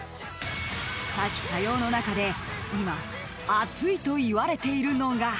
［多種多様の中で今熱いといわれているのが］